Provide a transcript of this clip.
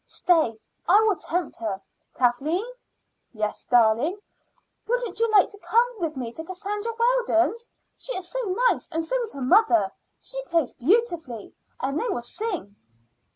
Stay, I will tempt her. Kathleen!" "Yes, darling." "Wouldn't you like to come with me to Cassandra Weldon's? She is so nice, and so is her mother. She plays beautifully, and they will sing."